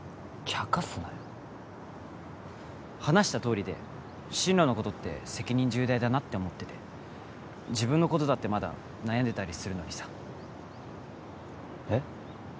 ちゃかすな話したとおりで進路のことって責任重大だなって思ってて自分のことだってまだ悩んでたりするのにさえっ？